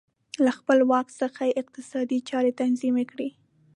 له خپل واک څخه یې اقتصادي چارې تنظیم کړې